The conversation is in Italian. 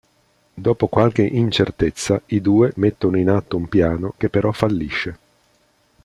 Dopo qualche incertezza, i due mettono in atto un piano che però fallisce.